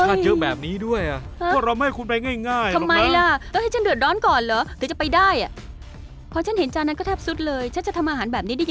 หน้ามีแม่ดีเนี่ยทำไมเธอจะเอารสชาติเยอะแบบนี้ด้วย